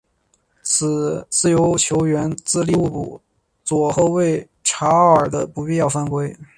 此自由球源自利物浦左后卫查奥尔的不必要犯规。